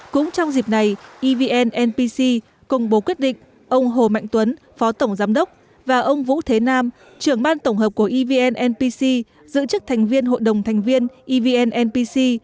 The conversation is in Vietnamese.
cũng trong dịp này evnnpc công bố quyết định ông hồ mạnh tuấn phó tổng giám đốc và ông vũ thế nam trưởng ban tổng hợp của evnnpc giữ chức thành viên hội đồng thành viên evnnpc